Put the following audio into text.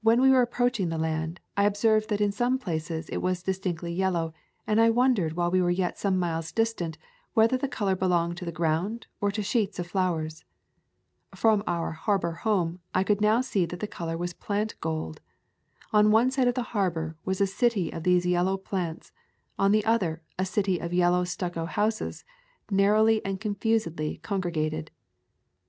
When we were ap proaching the land, I observed that in some places it was distinctly yellow, and I wondered | while we were yet some miles distant whether the color belonged to the ground or to sheets of flowers. From our harbor home I could now see that the color was plant gold. On one side of the harbor was a city of these yellow plants; on the other, a city of yellow stucco houses, narrowly and confusedly congregated.